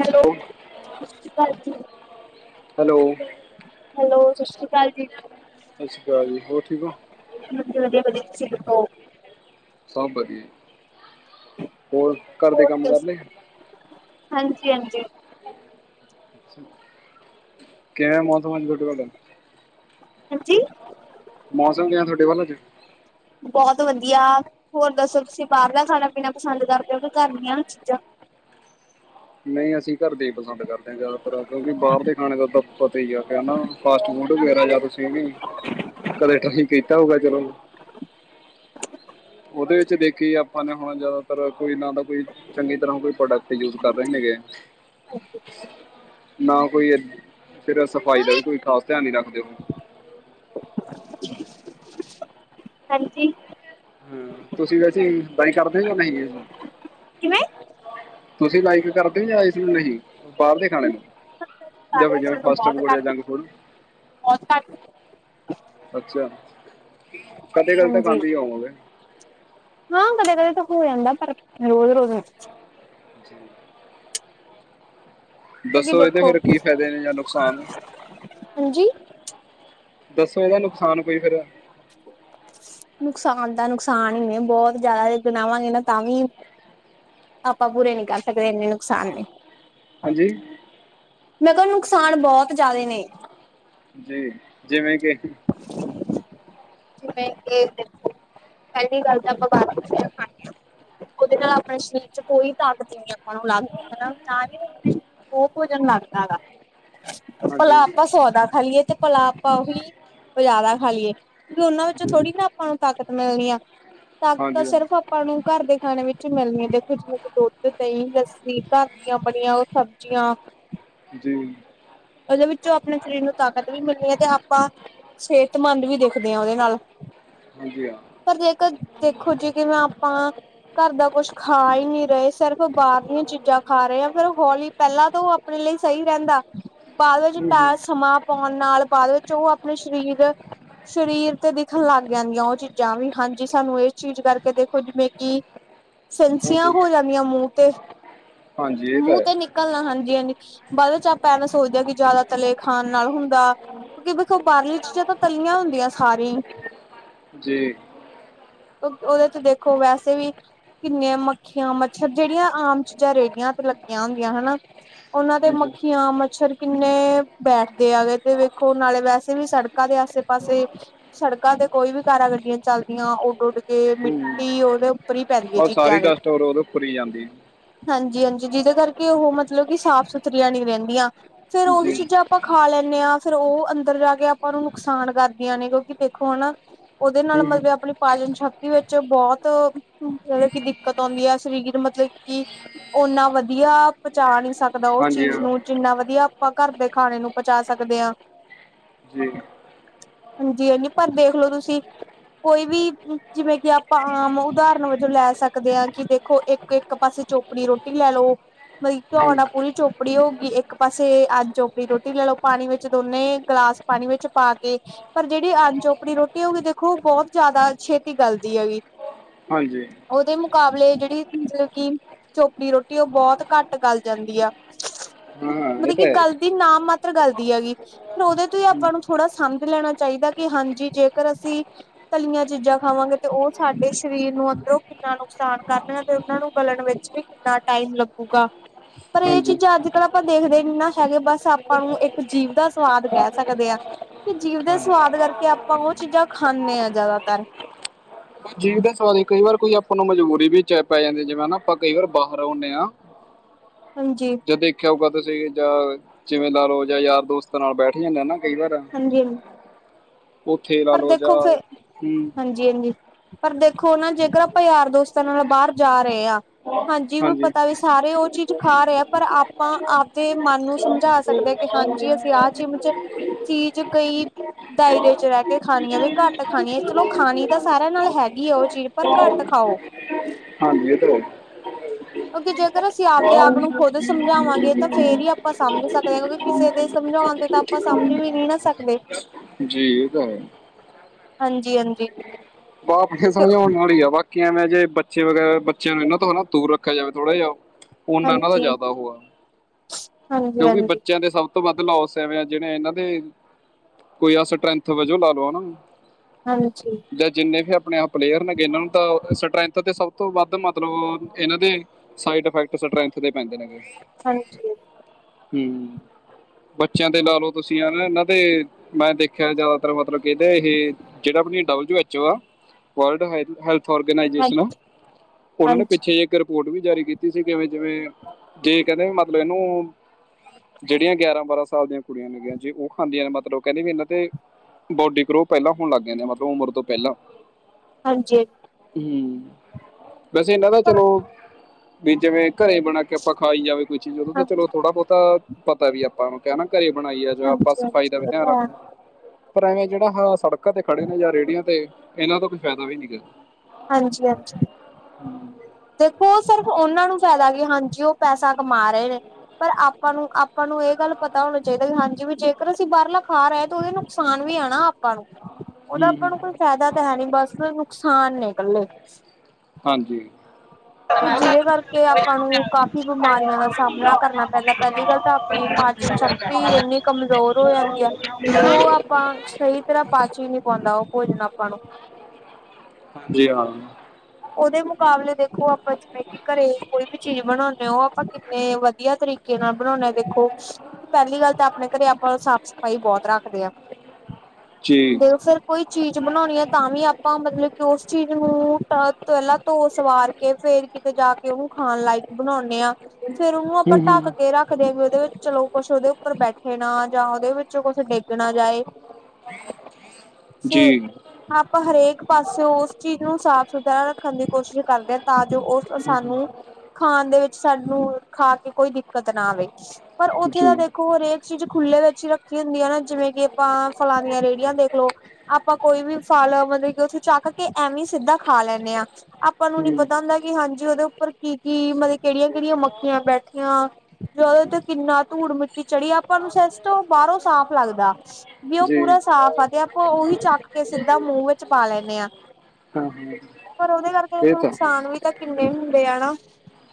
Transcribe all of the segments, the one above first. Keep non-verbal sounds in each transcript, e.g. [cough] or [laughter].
Hello ਸਤਿ ਸ਼੍ਰੀ ਅਕਾਲ ਜੀ ਹੈਲੋ। ਹੈਲੋ ਸਤਿ ਸ਼੍ਰੀ ਅਕਾਲ ਜੀ। ਸਤਿ ਸ਼੍ਰ ਅਕਾਲੀ ਹੋਰ ਠੀਕ ਹੋ। ਹ ਵਧਆ ਵਧਆ ਤੁਸੀਿਲ ਤੋਂ। ਸਭ ਵਧੀਆ ਹੋਰ ਘਰ ਦੇ ਹੋਰ ਕੰਮ ਕਰ ਦੱਸ ਲਏ? ਹਾਂਜੀ। ਹਾਂਜੀ। ਕਿਵੇਂ। ਮਤ। ਮਝ। ਗਟੇ। ਗ। ਹਾਂਜੀ। ਮੌਸਮ। ਦੇ। ਆ। ਤੁਹਾਡੇ। ਵਾ। ਚ। ਬਹੁਤ। ਵਧੀਆ। ਹੋਰ। ਦੱਸੋ। ਤੁਸੀਂ। ਬਾਹਰਲਾ। ਖਾਣਾ। ਪੀਣਾ। ਪਸੰਦ। ਕਰਦੇ। ਹੋ। ਵੀ। ਘਰ। ਦੀਆਂ। ਚੀਜ਼ਾਂ। ਨਹੀਂ। ਅਸੀਂ। ਘਰਦੇ। ਹੀ। ਪਸੰਦ। ਕਰਦੇ। ਜ਼ਿਆਦਾਤਰ। ਕਿਉਂਕਿ। ਬਾਹਰ। ਦੇ। ਖਾਣੇ। ਦਾ। ਤਤ। ਹੀ। ਆ। ਫਾਸਟ। ਫੂਡ। ਵਗੈਰਾ। ਜਾਂ। ਤੁਸੀਂ। ਵੀ। ਕਲੇ। ਟਠਹੀ। ਕੀਤਾ। ਹੋਊਗਾ। ਚਲੋ। ਉਹਦੇ। ਵਿੱਚ। ਦੇਖੀਏ। ਆਪਾਂ। ਨੇ। ਹੁਣ। ਜਦ। ਪਰ। ਕੋਈ। ਨਾ। ਤਾਂ। ਕੋਈ। ਚੰਗੀ। ਤਰ੍ਹਾਂ। ਕੋਈ। ਪ੍ਰੋਡਕਟ। ਯੂਜ। ਕਰ। ਰਹੇ। ਨੇਗੇ। ਨਾ। ਕੋਈ। ਫਿਰ। ਸਫ਼ਾਈ। ਦਾ। ਵੀ। ਕੋਈ। ਖ਼ਾਸ। ਧਿਆਨ। ਨ। ਰੱਖਦੇ। ਹੋ। ਹਾਂਜੀ। ਹਾਂ। ਤੁਸੀਂ। ਵੈਸੇ। ਬਈ। ਕਰਦੇ। ਹੋ। ਜਾਂ। ਨਹੀਂ। ਕਿਵੇਂ ਤੁਸੀਂ। ਲਾਈਕ। ਕਰਦੇ। ਹੋ। ਜਾਂ। ਇਸਨੂੰ। ਨਹੀਂ। ਬਾਹਰ। ਦੇ। ਖਾਣੇ। ਨੂੰ। ਜਾਂ। ਬਾਹਰਲਾ ਫ। ਫਸ। ਜੰਕ। ਫੂਡ। ਸਾ। ਅੱਛਾ ਕਦੇ ਕੱਲ ਤੱਕ ਹਾਂਜੀ ਆਉਂਦੀ ਹੀ ਆਵਾਂਗੇ ਹਾਂ ਕਦੇ ਕਦੇ ਤਾਂ ਹੋ ਜਾਂਦਾ ਪਰ ਰੋਜ਼ ਰੋਜ਼ ਜੀ। ਕਿਉਂਕਿ ਦੱਸੋ ਇਹਦੇ ਦੇਖੋ ਫਿਰ ਕੀ ਫ਼ਾਇਦੇ ਨੇ ਜਾਂ ਨੁਕਸਾਨ। ਹਾਂਜੀ ਦੱਸੋ। ਇਹਦਾ। ਨੁਕਸਾਨ। ਕੋਈ। ਫੇਿਰ। ਨੁਕਸਾਨ। ਤਾਂ। ਨੁਕਸਾਨ। ਹੀ। ਨੇ। ਬਹੁਤ। ਜ਼ਿਆਦਾ। ਗਣਾਵਾਂਗੇ। ਨਾ। ਤਾਂ। ਵੀ। ਆਪਾਂ। ਪੂਰੇ। ਨੀ। ਕਰ। ਸਕਦੇ। ਇੰਨੇ। ਨੁਕਸਾਨ। ਨੇ। ਹਾਂਜੀ। ਮੈਂ। ਕਿਹਾ। ਨੁਕਸਾਨ। ਬਹੁਤ। ਜ਼ਿਆਦਾ। ਨੇ। ਜੀ। ਜਿਵੇਂ। ਕਿ। ਜਵੇ। ਇਹਖ। ਪਹਿਲੀ। ਗੱਲ। ਤਾਂ। ਆਪਾਂ। ਬਦ। ਉਹਦੇ। ਨਾਲ। ਆਪਣੇ। ਸਰੀਰ। ਚ। ਕੋਈ। ਤਾਕਤ। ਨਹੀਂ। ਆਪਾਂ। ਨੂੰ। ਲੱਗਦੇ। ਹਨਾ। ਨਾ। ਹੀ। ਰਦੇ। ਉਹ। ਭੋਜਨ। ਲੱਗਦਾ। ਵਾ। ਹਨ। ਭਲਾ ਆਪਾਂ ਸੌਦਾ ਖਾ ਲਈਏ ਤੇ ਭਲਾ ਆਪਾਂ ਉਹੀ ਜ਼ਿਆਦਾ ਖਾ ਲਈਏ। ਕਿਉਂਕਿ ਉਹਨਾਂ ਵਿੱਚੋਂ ਜੀ ਥੋੜ੍ਹੀ ਨਾ ਆਪਾਂ ਨੂੰ ਤਾਕਤ ਮਿਲਣੀ ਆ। ਹਾਂਜੀ ਤਾਕਤ ਹਾਂ। ਸਿਰਫ ਆਪਾਂ ਨੂੰ ਘਰ ਦੇਖਾਣੇ ਵਿੱਚ ਮਿਲਣੀ ਹੈ। ਦੇਖੋ ਜਿਵੇਂ ਕਿ ਦੁੱਧ ਦਹੀਂ ਲੱਸੀ ਘਰ ਬਣੀਆਂ ਉਹ ਸਬਜ਼ੀਆਂ। ਜੀ। ਉਹਦੇ ਵਿੱਚੋਂ ਆਪਣੇ ਸਰੀਰ ਨੂੰ ਤਾਕਤ ਵੀ ਮਿਲਣੀ ਹੈ ਤੇ ਆਪਾਂ ਸਿਹਤਮੰਦ ਵੀ ਦੇਖਦੇ ਹਾਂ ਉਹਦੇ ਨਾਲ ਹਾਂਜੀ ਹਾਂ ਪਰ ਜੇਕਰ ਦੇਖੋ ਜ ਕਿਵੇਂ ਆਪਾਂ ਘਰ ਦਾ ਕੁਛ ਖਾ ਹੀ ਨਹੀ ਰਹੇ ਸਿਰਫ ਬਾਹਰ ਦੀ ਚੀਜ਼ਾਂ ਖਾ ਰਹੇ ਆ ਫੇਿਰ ਹੌਲੀ ਪਹਿਲਾਂ ਤੋਂ ਆਪਣੇ ਲਈ ਸਹੀ ਰਹਿੰਦਾ ਬਾਅਦ ਹੂੰ ਵਿੱਚ ਹੂੰ ਸਮਾ ਪਾਉਣ ਨਾਲ ਬਾਅਦ ਵਿੱਚ ਉਹ ਆਪਣੇ ਸਰੀਰ। ਸਰੀਰ ਤੇ ਦਿਖਣ ਲੱਗ ਜਾਂਦੀਆਂ ਉਹ ਚੀਜ਼ਾਂ ਵੀ ਹਾਂਜੀ ਸਾਨੂੰ ਇਸ ਚੀਜ਼ ਕਰਕੇ ਦੇਖੋ ਜਿਵੇਂ ਕਿ ਹ। ਸਸੀਆਂ ਹੋ ਜਾਂਦੀਆਂ ਮੂੰਹ ਤੇ। ਹਾਂਜੀ ਇਹ ਤਾਂ ਮੂੰਹ ਤੇ ਹੈ ਨਿਕਲਣਾ ਹਾਂਜੀ ਹਾਂਜੀ ਬਦਲ ਚਾਪ ਪੈਣਾ। ਸੋਚਦੇ ਕਿ ਜ਼ਿਆਦਾ ਤਲੇ ਖਾਣ ਨਾਲ ਹੁੰਦਾ ਕਿਉਂਕਿ ਵੇਖੋ ਬਾਹਰਲੀ ਚੀਜ਼ਾਂ ਤਾਂ ਤਲੀਆਂ। ਹੁੰਦੀਆਂ ਸਾਰੀ ਜੀ। ਉਹਦੇ ਚ ਦੇਖੋ ਵੈਸੇ ਵੀ ਕਿੰਨੇ ਮੱਖੀਆਂ ਮੱਛਰ ਜਿਹੜੀਆਂ ਆਮ ਚੀਜ਼ਾਂ ਰੇਹੜੀਆਂ ਤੇ ਲੱਗੀਆਂੱ ਹੁੰਦੀਆਂ ਹਨਾ। ਉਹਨਾਂ ਦੇ ਹਾਂਜੀ ਮੱਖੀਆਂ ਮੱਛਰ ਕਿੰਨੇ ਬੈਠਦੇ ਆ ਗਏ ਤੇ ਵੇਖੋ ਨਾਲੇ ਵੈਸੇ ਵੀ ਸੜਕ ਸੜਕਾਂ ਦੇ ਆਸੇ ਪਾਸੇ ਸੜਕਾਂ ਤੇ ਕੋਈ ਵੀ ਕਾਰਾਂ ਗੱਡੀਆਂ ਚੱਲਦੀਆਂ ਉਹ। ਉੱੜਗ ਮਿੱਟੀ ਉਹਦੇ ਹੀ ਪੈਂਦੀ ਹੈ ਰ ਸਾਰੀ ਡਸਟ ਹੋਰ ਉਦੋਂ ਖੁੱਲੀ ਜਾਂਦੀ ਹਾਂਜੀ ਹਾਂਜੀ ਜਿਹਦੇ ਕਰਕੇ ਉਹ ਮਤਲਬ ਕਿ ਸਾਫ਼ ਸੁਥਰੀਆਂ ਨੀ ਰਹਿੰਦੀਆਂ ਫੇਰ ਉਹੀ ਜੀ ਚੀਜ਼ਾਂ ਆਪਾਂ ਖਾ ਲੈਂਦੇ ਹਾਂ ਫ਼ਿਰ ਉਹ ਅੰਦਰ ਜਾ ਕੇ ਆਪਾਂ ਨੂੰ ਨੁਕਸਾਨ ਕਰਦੀਆਂ ਨੇ ਕਿਉਂਕਿ ਦੇਖੋ ਹਨਾ ਉਹਦੇ ਨਾਲ ਹੂੰ ਹੂੰ ਮਤਲਬ ਆਪਣੀ ਪਾਚਨ ਸ਼ਕਤੀ ਵਿੱਚ ਬਹੁਤ ਮਤਲਬ ਕਿ ਦਿੱਕਤ ਆਉਂਦੀ ਹੈ ਸਰੀਰ ਮਤਲਬ ਕਿ ਓਨਾ ਵਧੀਆ ਪਹੁੰਚਾ ਨ ਨਹੀਂ ਸਕਦਾ ਉਸ ਹਾਂਜੀ ਚੀਜ਼ ਹਾਂ ਨੂੰ ਜਿੰਨਾ ਵਧੀਆ ਆਪਾਂ ਘਰ ਦੇ ਖਾਣੇ ਨੂੰ ਪਹੁੰਚਾ ਸਕਦੇ ਹਾਂ। ਜੀ ਹਾਂਜੀ ਹਾਂਜੀ ਪਰ ਦੇਖਲੋ ਤੁਸੀਂ ਕੋਈ ਵੀ ਜਿਵੇਂ ਕਿ ਆਪਾਂ ਆਮ ਉਦਾਹਰਣ ਵਜੋਂ ਲੈ ਸਕਦੇ ਹਾਂ ਕਿ ਦੇਖੋ ਇੱਕ ਇੱਕ ਪਾਸੇ ਚੋ ਆਪਣੀ ਰੋਟੀ ਲੈ ਲਓ ਮਤਲਬ ਕਿ ਘਿਓ ਹਾਂਜੀ ਨਾਲ ਪੂਰੀ ਚੋਪ ਆਪੀ ਹੋ ਗਈ ਇੱਕ ਪਾਸੇ ਅੱਜ ਆਪਣੀ ਰੋਟੀ ਲੈ ਲਓ ਪਾਣੀ ਵਿੱਚ ਦੋਨੇ ਗਲਾਸ ਪਾਣੀ ਵਿੱਚ ਪਾ ਕੇ ਪਰ ਜਿਹੜੀ ਅੰਨ ਚੋਪੜੀ ਰੋਟੀ ਉਹਗੀ ਦੇਖੋ ਬਹੁਤ ਜ਼ਿਆਦਾ ਛੇਤੀ ਗਲਦੀ ਹੈਗੀ। ਹਾਂਜੀ ਉਹਦੇ ਮੁਕਾਬਲੇ ਜਿਹੜੀ ਮਤਲਬ ਕਿ ਚੋਪੜੀ ਰੋਟੀ ਉਹ ਬਹੁਤ ਘੱਟ ਗੱਲ ਜਾਂਦੀ ਆ ਹਾਂ ਹਾਂ ਇਹ ਮਤਲਬ ਤਾਂ ਕਿ ਹੈ ਹੀ। ਗਲ ਦੀਨਾ ਮਤ ਪੱਤਰ ਗੱਲਦੀ ਹੈਗੀ। ਫਿਰ ਉਹਦੇ ਤੋਂ ਹੀ ਹਮ, ਆਪਾਂ ਨੂੰ ਥੋੜਾ ਸਮਝ ਲੈਣਾ ਚਾਹੀਦਾ ਕਿ ਹਾਂਜੀ ਜੇਕਰ ਅਸੀਂ ਤਲੀਆਂ ਚੀਜ਼ਾਂ ਖਾਵਾਂਗੇ ਤੇ ਉਹ ਸਾਡੇ ਸਰੀਰ ਨੂੰ ਅੰਦਰੋਂ ਕਿੰਨਾ ਨੁਕਸਾਨ ਕਰਨ ਤੇ ਉਹਨਾਂ ਨੂੰ ਗਲਣ੍ ਵਿੱਚ ਵੀ ਕਿੰਨਾ ਟਾਈਮ ਲੱਗੂਗਾ ਪਰ ਇਹ ਹਾਂਜੀ ਚੀਜ਼ਾਂ ਅੱਜ ਕੱਲ ਆਪਾਂ ਦੇਖਦੇ ਇੰਨਾ ਹੈਗੇ ਬਸ ਆਪਾਂ ਨੂੰ ਇੱਕ ਜੀਭ ਦਾ ਸਵਾਦ ਕਹਿ ਸਕਦੇ ਹਾਂ। ਕਿ ਜੀਭ ਦੇ ਹਾਂਜੀ ਸਵਾਦ ਕਰਕੇ ਆਪਾਂ ਉਹ ਚੀਜ਼ਾਂ ਖਾਂਦੇ ਹਾਂ ਜ਼ਿਆਦਾਤਰ। ਜੀ ਦਾ ਸਵਾਲ ਕਈ ਵਾਰ ਕੋਈ ਆਪਾਂ ਨੂੰ ਮਜਬੂਰੀ ਵੀ ਪੈ ਜਾਂਦੀ ਜਿਵੇਂ ਹਨ ਆਪਾਂ ਕਈ ਵਾਰ ਬਾਹਰ ਆਉਂਦੇ ਹਾਂ। ਹਾਂਜੀ ਜੇ ਦੇਖਿਆ ਹੋਊਗਾ ਤੁਸੀਂ ਜਾਂ ਜਿਵੇਂ ਲਾ ਲਓ ਜਾਂ ਯਾਰ ਦੋਸਤਾਂ ਨਾਲ ਬੈਠ ਜਾਂਦੇ ਨਾ। ਕਈ ਵਾਰ ਹਾਂਜੀ ਉਥੇ ਲਾ ਲੋ ਜਾ ਹਮ ਹਾਂਜੀ ਪਰ ਦੇਖੋ ਨਾ ਜੇਕਰ ਆਪਾਂ ਯਾਰ ਦੋਸਤਾਂ ਨਾਲ ਬਾਹਰ ਜਾ ਰਹੇ ਹਾਂ। ਹਾਂਜੀ ਵੀ ਪਤਾ ਵੀ ਸਾਰੇ ਉਹ ਚੀਜ਼ ਖਾ ਰਹੇ ਪਰ ਆਪਾਂ ਆਪਦੇ ਮਨ ਨੂੰ ਸਮਝਾ ਸਕਦੇ ਹਾਂ ਕਿ ਹਾਂਜੀ ਅਸੀਂ ਆਹ ਚਿਮ ਚ ਚੀਜ਼ ਕਈ ਦਾਇਰੇ ਚ ਰਹਿ ਕੇ ਖਾਣੀ ਹੈ ਵੀ ਘੱਟ ਖਾਣੀ ਹੈ। ਚਲੋ ਖਾਣੀ ਤਾਂ ਸਾਰਿਆਂ ਨਾਲ ਹੈਗੀ ਆ, ਉਹ ਚੀਜ਼ ਪਰ ਘੱਟ ਖਾਓ ਹਾਂਜੀ ਤੋਂ [unintelligible] ਕਿਉਂਕਿ ਜੇਕਰ ਅਸੀਂ, ਆਪਦੇ ਆਪ ਨੂੰ ਖੁਦ ਸਮਝਾਵਾਂਗੇ ਤਾਂ। ਫੇਰ ਹੀ ਆਪਾਂ ਸਮਝ ਸਕਦੇ ਹਾਂ। ਕਿਉਂਕਿ ਕਿਸੇ ਦੇ ਸਮਝਾਉਣ ਤੇ ਤਾਂ ਆਪਾਂ, ਸਮਝ ਵੀ ਨੀ ਨਾ ਸਕਦੇ। ਜੀ ਇਹ ਤਾਂ ਹੈ। ਹਾਂਜੀ- ਹਾਂਜੀ। ਬਾਪ ਸਮਝਾਉਣ ਵਾਲੀ ਆ ਬਾਕੀ ਐਵੇਂ ਜੇ ਬੱਚੇ ਵਗੈਰਾ, ਬੱਚਿਆਂ ਨੂੰ ਇਹਨਾਂ ਤੋਂ ਹਨਾ ਦੂਰ ਰੱਖਿਆ ਜਾਵੇ ਥੋੜਾ ਜਿਹਾ। ਫੋਨਾ ਇਹਨਾਂ ਦਾ ਜ਼ਿਆਦਾ ਹੋਆ। ਕਿਉਂਕਿ ਬੱਚਿਆਂ ਦੇ ਸਭ। ਵੱਧ ਲੋਸ ਐਵੇ ਜਿਹਵੇ ਇਹਨਾਂ ਦੇ, ਕੋਈ ਆ ਸਟਰੈਂਥ ਵਜੋਂ ਲਾ ਲੋ ਉਹਨਾਂ ਨੂੰ। ਹਾਂਜੀ। ਜਾਂ ਜਿੰਨੇ ਵੀ ਆਪਣੇ ਆਪ ਪਲੇਅਰ ਨੇਗੇ, ਇਹਨਾਂ ਨੂੰ ਤਾਂ ਸਟਰੈਂਥ ਤੇ ਸ ਤੋਂ ਵੱਧ ਮਤਲਬ ਇਹਨਾਂ ਦੇ, ਸਾਈਡ ਇਫੈਕਟ ਸਟਰੈਂਥ ਦੇ ਪੈਂਦੇ ਨੇਗੇ। ਹਾਂਜੀ। ਹੂੰ। ਬੱਚਿਆਂ ਤੇ ਲਾ ਲਓ ਤੁਸੀਂ ਹਨਾ, ਇਹਨਾਂ ਤੇ ਮੈਂ ਦੇਖਿਆ ਜ਼ਿਆਦਾਤਰ ਮਤਲਬ ਕਿਦੇ ਇਹ। ਜਿਹੜਾ ਆਪਣਾ [unintelligible] ਓ ਔਰਗੇਨਾਈਜੇਸ਼ਨ ਆ, ਉਹਨਾਂ ਦੇ ਹਾਂਜੀ ਪਿੱਛੇ ਇਕ ਰਿਪੋਰਟ ਵੀ ਜਾਰੀ ਕੀਤੀ ਸੀ, ਕਿਵੇਂ ਜਿਵੇਂ ਜੇ ਕਹਿੰਦੇ ਵੀ ਮਤਲਬ ਇਹਨੂੰ ਜਿਹੜੀਆਂ ਗਿਆਰਾਂ, ਬਾਰਾਂ ਸਾਲ ਦੀਆਂ ਕੁੜੀਆਂ ਨੇਗੀਆਂ। ਜੀ ਉਹ ਖਾਂਦੀਆਂ ਨੇ ਮਤਲਬ ਕਹਿੰਦੇ ਵੀ ਇਹਨਾਂ ਤੇ ਬੋਡੀ ਗਰੋ ਪਹਿਲਾਂ ਹੋਣ ਲੱਗ ਜਾਂਦੀਆਂ ਮਲਬ ਉਮਰ ਤੋਂ ਪਹਿਲਾਂ। ਹਾਂਜੀ। ਹੂੰ, ਵੈਸੇ ਇਹਨਾਂ ਦਾ ਪਰ ਚਲੋ, ਵੀ ਜਿਵੇਂ ਘਰੇ ਬਣਾ ਕੇ। ਆਪਾਂ ਖਾਈ ਜਾਵੇ ਕੋਈ ਚੀਜ਼। ਉਹਦੋਂ ਤਾਂ ਚਲੋ ਹਾਂਜੀ ਥੋੜਾ ਬਹੁਤਾ ਪਤਾ ਵੀ ਆਪਾਂ ਨੂੰ ਕਹਿ ਨਾ ਘਰੇ ਬਣਾਈ ਏ। ਆਪਾਂ ਹਾਂਜੀ ਸਫ਼ਾਈ ਦਾ ਹਾਂਜੀ ਵੀ ਇਹ ਧਿਆਨ ਤਾਂ ਹੈ ਰੱਖਦੇ ਹਾਂ। ਪਰ ਐਵੇਂ ਜਿਹੜਾ ਸੜਕਾਂ ਤੇ ਖੜੇ ਨੇ, ਜਾਂ ਰੇਹੜੀਆਂ ਤੇ ਇਹਨਾਂ ਦਾ ਕੋਈ ਫਾਇਦਾ ਵੀ ਨੀ ਹੈਗਾ। ਹਾਂਜੀ- ਹਾਂਜੀ। ਹੂੰ। ਦੇਖੋ ਉਹ ਸਿਰਫ ਉਹਨਾਂ ਨੂੰ ਫਾਇਦਾ ਕਿ, ਹਾਂਜੀ ਉਹ ਪੈਸਾ ਕਮਾ ਰਹੇ ਨੇ, ਪਰ ਆਪਾਂ ਨੂੰ ਆਪਾਂ ਨੂੰ ਇਹ ਗੱਲ ਪਤਾ ਹੋਣਾ ਚਾਹੀਦਾ ਹਾਂਜੀ ਵੀ, ਜੇਕਰ ਅਸੀਂ ਬਾਹਰਲਾ ਖਾ ਰਹੇ ਹਾਂ ਤੇ ਉਹਦੇ ਨੁਕਸਾਨ ਵੀ ਆ ਣਾ ਆਪ ਆਪਾਂ ਨੂੰ, ਉਹਦਾ ਹੂੰ ਆਪਾਂ ਨੂੰ ਕੋਈ ਹੂੰ ਫਾਇਦਾ ਤਾਂ ਹੈ ਨੀ, ਬਸ ਨੁਕਸਾਨ ਨੇ ਇਕੱਲੇ। ਹਾਂਜੀ। ਜਿਹਦੇ ਕਰਕੇ ਆਪਾਂ ਨੂੰ ਕਾਫ਼ੀ ਬਿਮਾਰੀਆਂ ਦਾ ਸਾਹਮਣਾ, ਕਰਨਾ ਪੈਂਦਾ ਪਹਿਲੀ ਗੱਲ ਤਾਂ ਆਪਣੀ ਪਾਚਨ ਸ਼ਕਤੀ ਇੰਨੀ ਕਮਜ਼ੋਰ ਹੋ ਜਾਂਦੀ ਹੈ। ਕਿ ਉਹ [unintelligible] ਆਪਾਂ ਸਹੀ ਤਰਾਂ ਪਾਚ ਹੀ ਨਹੀਂ ਪਾਉਂਦਾ। ਉਹ ਭੋਜਨ ਆਪਾਂ ਨੂੰ। ਹਾਂਜੀ, ਹਾਂ। ਉਹਦੇ ਮੁਕਾਬਲੇ ਦੇਖੋ ਆਪਾਂ, ਜਿਵੇਂ ਕਿ ਘਰੇ ਕੋਈ ਵੀ ਚੀਜ਼ ਬਣਾਉਂਦੇ ਹੋ। ਆਪਾਂ ਕਿੰਨੇ ਵ ਵਧੀਆ ਤਰੀਕੇ ਨਾਲ, ਬਣਾਉਣੇ ਆ ਦੇਖੋ। ਪਹਿਲੀ ਗੱਲ ਤਾਂ ਆਪਣੇ ਘਰੇ, ਆਪਾਂ ਸਾਫ਼- ਸਫ਼ਾਈ ਬਹੁਤ ਰੱਖਦੇ ਹਾਂ। ਜੀ ਦੇ ਫੇਰ ਕੋਈ ਚੀਜ਼ ਬਣਾਉਣੀ ਹੈ ਤਾਂ, ਵੀ ਆਪਾਂ ਮਤਲਬ ਕਿ ਉਸ ਚੀਜ਼ ਨੂੰ ਤੋਂ ਪਹਿਲਾਂ ਧੋ- ਸਵਾਰ ਕੇ ਫੇਰ ਕਿਤੇ ਜਾ ਕੇ ਉਹਨੂੰ ਖਾਣ ਲਾਇਕ ਬਣਾਉਂਦੇ ਆ। ਫੇਰ ਉਹਨੂੰ ਆਪਾਂ, ਹੂੰ ਢੱਕ ਹੂੰ ਕੇ ਰੱਖਦੇ ਵੀ ਉਹਦੇ ਵਿੱਚ। ਚਲੋ ਕੁਛ ਉਹਦੇ ਉੱਪਰ ਬੈਠੇ ਨਾ, ਜਾਂ ਉਹਦੇ ਵਿੱਚ ਕੁਛ ਡਿੱਗ ਨਾ ਜਾਏ। ਤੇ ਜੀ ਆਪਾਂ ਹਰੇਕ ਪਾਸੇ ਉਸ ਚੀਜ਼ ਨੂੰ, ਸਾਫ਼ ਸੁਥਰਾ ਰੱਖ ਰੱਖਣ ਦੀ ਕੋਸ਼ਿਸ਼ ਕਰਦੇ ਹਾ, ਤਾਂ ਜੋ ਉਹ ਸਾਨੂੰ। ਖਾਣ ਦੇ ਵਿੱਚ ਸਾਨੂੰ, ਖਾ ਕੇ ਕੋਈ ਦਿੱਕਤ ਨਾ ਆਵੇ। ਪਰ ਉੱਥੇ ਜੀ ਦਾ ਦੇਖੋ ਹਰੇਕ ਚੀਜ਼ ਖੁੱਲੇ ਵਿੱਚ ਹੀ ਰੱਖੀ ਹੁੰਦੀਆਂ। ਨਾ ਜਿਵੇਂ ਕਿ ਆਪਾਂ ਫਲਾਂਨੀਆਂ ਰੇਹੜੀਆਂ ਦੇਖਲੋ। ਆਪਾਂ ਕੋਈ ਵੀ ਫਲ, ਮਤਲਬ ਕਿ ਉੱਥੋਂ ਚੱਕ ਕੇ ਐਵੇਂ ਸਿੱਧਾ ਖਾ ਲੈਂਦੇ ਹਾਂ। ਆਪਾਂ ਨੂੰ ਨੀ ਹੂੰ ਪਤਾ ਹੁੰਦਾ ਕਿ ਹਾਂਜੀ, ਉਹਦੇ ਉੱਪਰ ਕੀ- ਕੀ ਮਤਲਬ ਕਿਹੜੀਆਂ- ਕਿਹੜੀਆਂ ਮੱਖੀਆਂ ਬੈਠੀਆਂ। ਜਦੋਂ ਤੇ ਕਿੰਨਾ ਧੂੜ ਮਿੱਟੀ ਚੜ੍ਹੀ ਆਪਾਂ ਨੂੰ ਡਸਟ ਬਾਹਰੋਂ ਸਾਫ ਲੱਗਦਾ। ਵੀ ਉਹ ਜੀ ਪੂਰਾ ਸਾਫ ਆ ਤੇ ਆਪਾਂ ਉਹੀ ਚੱਕ ਕੇ ਸਿੱਧਾ ਮੂੰਹ ਵਿੱਚ ਪਾ ਲੈਂਦੇ ਆ। ਹਮ ਹਮ। ਪਰ ਉਹਦੇ ਕਰਕੇ ਦੇਖ ਨੁਕਸਾਨ ਵੀ ਤਾਂ ਕਿੰਨੇ ਹੁੰਦੇ ਆ ਨਾ।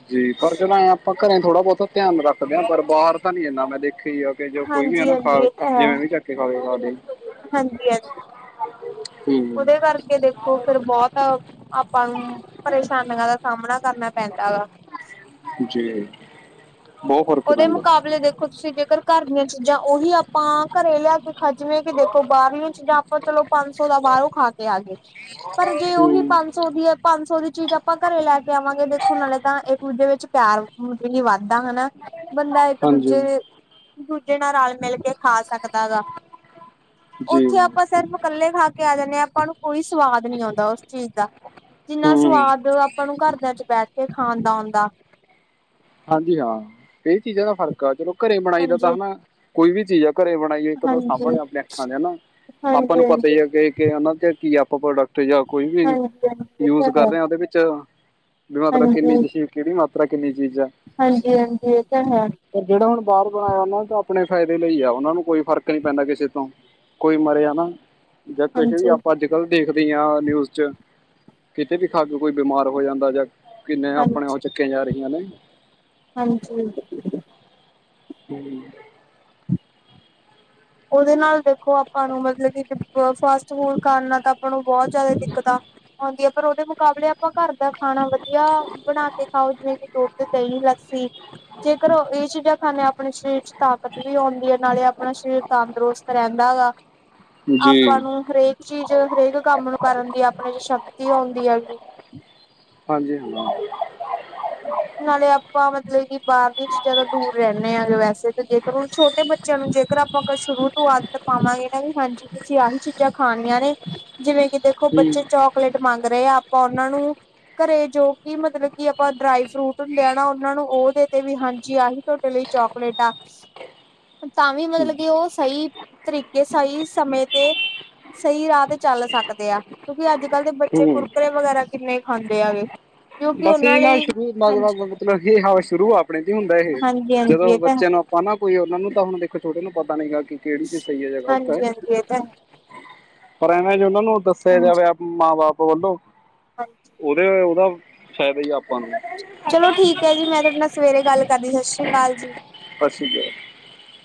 ਜੀ ਪਰ ਚਲਾਂ ਆਪਾਂ ਘਰੇ ਥੋੜ੍ਹਾ ਬਹੁਤਾ ਧਿਆਨ ਰੱਖਦੇ ਹਾਂ ਪਰ ਬਾਹਰ ਤਾਂ ਨੀ ਇਨਾ ਮੈਂ ਦੇਖਿਆ ਹੀ। ਜੋ ਕੋਈ ਵੀ ਹਾਂਜੀ ਹੈਾ ਹਾਂਜੀ ਖਾ ਇਹ ਤਾਂ ਹੈ ਜਿਵੇਂ ਵੀ ਚੱਕੇ ਖਾਵੇ ਖਾ ਹਾਂਜੀ ਹਾਂਜੀ ਉਹਦੇ ਹੂੰ ਕਰਕੇ ਦੇਖੋ ਫਿਰ ਬਹੁਤ ਆਪਾਂ ਨੂੰ ਪਰੇਸ਼ਾਨੀਆਂ ਦਾ ਸਾਹਮਣਾ ਕਰਨਾ ਪੈਂਦਾ ਵਾ ਜੀ। ਬਹੁਤ ਫਰਕ ਉਹਦੇ ਪੈਂਦਾ ਮੁਕਾਬਲੇ ਦੇ ਤੁਸੀਂ ਜੇਕਰ ਘਰ ਦੀਆਂ ਚੀਜ਼ਾਂ ਉਹੀ ਆਪਾਂ ਘਰੇ ਲਿਆ ਕੇ ਖੱਜਵੇ ਕਿ ਦੇਖੋ ਬਾਹਰਲ ਚੀਜ਼ਾਂ ਚਲੋ ਪੰਜ ਸੌ ਦਾ ਬਾਹਰੋਂ ਖਾ ਕੇ ਆ ਗਏ ਪਰ ਜੇ ਉਹੀ ਹੂੰ ਪੰਜ ਸੌ ਦੀ ਹੈ ਪੰਜ ਸੌ ਦੀ ਚੀਜ਼ ਆਪਾਂ ਘਰੇ ਲੈ ਕੇ ਆਵਾਂਗੇ ਦੇਖੋ ਨਾਲੇ ਤਾਂ ਇੱਕ ਦੂਜੇ ਵਿੱਚ ਪਿਆਰ ਮਤ ਲਈ ਵੱਧਦਾ ਹਨਾ ਬੰਦਾ ਇੱਕ ਹਾਂਜੀ ਦੂਜੇ ਦੂਜੇ ਨਾਲ ਰਲ ਮਿਲ ਕੇ ਖਾ ਸਕਦਾ ਗਾ। ਜੀ ਉੱਥੇ ਆਪਾਂ ਸਿਰਫ ਕੱਲੇ ਖਾ ਕੇ ਆ ਜਾਂਦੇ ਆਾਂ ਆਪਾਂ ਨੂੰ ਕੋਈ ਸਵਾਦ ਨੀ ਆਉਂਦਾ ਉਸ ਚੀਜ਼ ਦਾ ਜਿੰਨਾ ਹੂੰ ਸਵਾਦ ਆਪਾਂ ਨੂੰ ਘਰਦਿਆਂ ਚ ਬੈਠ ਕੇ ਖਾਣ ਦਾ ਆਂਦਾ ਹਾਂਜੀ ਹਾਂ ਕਈ ਚੀਜ਼ਾਂ ਦਾ ਫਰਕ ਆ ਚਲੋ ਘਰੇ ਬਣਾਈ ਦਾ ਤਾਂ ਹਾਂਜੀ। ਹਨਾ ਕੋਈ ਵੀ ਚੀਜ਼ ਆ ਘਰੇ ਬਣਾ ਇੱਕ ਤਾਂ ਹਾਂਜੀ, ਸਾਹਮਣੇ ਆਪਣੇ ਅੱਖਾਂ ਦੇ ਹਨ ਨਾ ਹਾਂਜੀ, ਆਪਾਂ ਹਾਂਜੀ, ਨੂੰ ਪਤਾ ਹਾਂਜੀ, ਹੀ ਹੈ ਕਿ ਇਹਨਾਂ ਤੇ ਕੀ ਆਪਾਂ ਪ੍ਰੋਡਕਟ ਜਾਂ ਕੋਈ ਵੀ ਹਾਂਜੀ ਹਾਂਜੀ ਇਹ ਯੂਜ ਤਾਂ ਹੈ। ਕਰ ਰਿਹਾ ਉਹਦੇ ਵਿੱਚ ਵੀ ਮਤਲਬ ਹਾਂਜੀ, ਕਿੰਨੀ ਤੁਸੀਂ ਕਿਹੜੀ ਮਾਤਰਾ ਕਿੰਨੀ ਚੀਜ਼ ਹੈ। ਹਾਂਜੀ ਹਾਂਜੀ ਇਹ ਤਾਂ ਹੈ। ਪਰ ਜਿਹੜਾ ਹੁਣ ਬਾਹਰ ਬਣਾਇਆ ਉਹਨਾਂ ਚ ਆਪਣੇ ਫਾਇਦੇ ਲਈ ਆ ਉਹਨਾਂ ਨੂੰ ਕੋਈ ਫ਼ਰਕ ਨਹੀਂ ਪੈਂਦਾ ਕਿਸੇ ਤੋਂ ਕੋਈ ਮਰਿਆ ਨਾ ਜਾਂ ਕੁਛ ਵੀ ਹਾਂਜੀ, ਆਪਾਂ ਗੱਲ ਦੇਖਦੇ ਹਾਂ ਨਿਊਜ਼ ਚ ਕਿਤੇ ਵੀ ਖਾ ਕੇ ਕੋਈ ਬਿਮਾਰ ਹੋ ਜਾਂਦਾ ਜਾਂ। ਕਿੰਨੇ ਆਪਣੇ ਹਾਂਜੀ, ਉਹ ਚੱਕੀਆਂ ਜਾ ਰਹੀਆਂ ਨੇ। ਹਾਂਜੀ। ਹਮ। ਉਹਦੇ ਨਾਲ ਦੇਖੋ ਆਪਾਂ ਨੂੰ ਮਤਲਬ ਕਿ ਫਾਸਟ ਫੂਡ ਕਰਨ ਨਾਲ ਤਾਂ ਆਪਾਂ ਨੂੰ ਬਹੁਤ ਜਿਆਦਾ ਦਿੱਕਤ ਆ। ਆਉਂਦੀ ਹੈ ਪਰ ਉਹਦੇ ਮੁਕਾਬਲੇ ਆਪਾਂ ਘਰ ਦਾ ਖਾਣਾ ਵਧੀਆ ਬਣਾ ਕੇ ਖਾਓ ਜਿਵੇਂ ਕਿ ਦੁਧ ਦਹੀ ਲੱਸੀ ਜੇਕਰ ਇਹ ਚੀਜ਼ਾਂ ਖਾਂਦੇ ਹਾਂ ਆਪਣੇ ਸਰੀਰ ਚ ਤਾਕਤ ਵੀ ਆਉਂਦੀ ਹੈ ਨਾਲੇ ਆਪਣਾ ਸਰੀਰ ਤੰਦਰੁਸਤ ਰਹਿੰਦਾ ਗਾ ਜੀ ਆਪਾਂ ਨੂੰ ਹਰੇਕ ਚੀਜ਼ ਹਰੇਕ ਕੰਮ ਨੂੰ ਕਰਨ ਦੀ ਆਪਣੇ ਚ ਸ਼ਕਤੀ ਆਉਂਦੀ ਹੈਗੀ। ਹਾਂਜੀ ਹਾਂਜੀ। ਨਾਲੇ ਆਪਾਂ ਮਤਲਬ ਕਿ ਬਾਹਰਲੀ ਜਿਆਦਾ ਦੂਰ ਰਹਿੰਦੇ ਹਾਂਗੇ ਵੈਸੇ ਤੇ ਜੇਕਰ ਹੁਣ ਛੋਟੇ ਬੱਚਿਆਂ ਨੂੰ ਜੇਕਰ ਆਪਾਂ ਸ਼ੁਰੂ ਤੋਂ ਆਦਤ ਪਾਵਾਂਗੇ ਨਾ ਵੀ ਹਾਂਜੀ। ਤੁਸੀਂ ਆਹੀ ਚੀਜ਼ਾਂ ਖਾਣੀਆਂ ਨੇ ਜਿਵੇਂ ਕਿ ਦੇਖੋ ਹੂੰ ਬੱਚੇ ਚੌਕ ਚੋਕਲੇਟ ਮੰਗ ਰਹੇ ਆਪਾਂ ਉਹਨਾਂ ਨੂੰ ਘਰੇ ਜੋ ਕਿ ਮਤਲਬ ਕਿ ਆਪਾਂ ਡਰਾਈ ਫਰੂਟ ਨੂੰ ਦੇਣਾ ਉਹਨਾਂ ਨੂੰ ਉਹਦੇ ਤੇ ਵੀ ਹਾਂਜੀ ਆਹੀ ਤੁਹਾਡੇ ਲਈ ਚੋਕਲੇਟ ਆ। ਤਾਂ ਵੀ ਮਤਲਬ ਕਿ ਉਹ ਸਹੀ ਤਰੀਕੇ ਸਹੀ ਸਮੇਂ ਤੇ ਸਹੀ ਰਾਹ ਤੇ ਚੱਲ ਸਕਦੇ ਆ ਕਿਉਂਕਿ ਅੱਜ ਕੱਲ੍ਹ ਦੇ ਬੱਚੇ ਹੂੰ ਕੁਰਕਰੇ ਵਗੈਰਾ ਕਿੰਨੇ ਖਾਂਦੇ ਹੈਗੇ। ਕਿਉਂਕਿ ਬਸ ਉਹਨਾਂ ਇਹ ਨਾ ਲਈ ਸ਼ੁਰੂ ਹਾਂਜੀ ਮਤਲਬ ਇਹ ਹਵਾ ਸ਼ੁਰੂ ਆਪਣੇ ਦੀ ਹੁੰਦਾ ਇਹ ਹਾਂਜੀ ਹਾਂਜੀ ਜਦੋਂ ਇਹ ਤਾਂ ਹੈ ਬੱਚਿਆਂ ਨੂੰ ਹਨ ਨਾ ਕੋਈ ਉਹਨਾ ਨੂੰ ਤਾਂ ਹੁਣ ਦੇਖੋ ਛੋਟੇ ਨੂੰ ਪਤਾ ਨੀ ਗਗਾ ਕਿ ਕਿਹੜੀ ਚੀਜ਼ ਸਹੀ ਹੈ ਜਾਂ ਗ਼ਲਤ ਹੈ। ਹਾਂਜੀ-ਹਾਂਜੀ ਇਹ ਤਾਂ ਹੈ, ਪਰ ਇਹਨਾਂ ਜ ਉਹਨਾਂ ਨੂੰ ਦੱਸਿਆ ਜਾਵੇ ਮਾਂ ਬਾਪ ਵੱਲੋਂ ਹਾਂਜੀ। ਉਹਦੇ ਉਹਦਾ ਫਾਇਦਾ ਹੀ ਆਪਾਂ ਨੂੰ ਚਲੋ ਠੀਕ ਹੈ ਜੀ ਮੈਂ ਤੁਹਾਡੇ ਨਾਲ ਸਵੇਰੇ ਗੱਲ ਕਰਦੀ ਸਤਿ ਸ੍ਰੀ ਅਕਾਲ ਜੀ। ਸਤਿ ਸ੍ਰੀ ਅਕਾਲ।